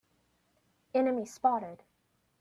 Enemy spotted!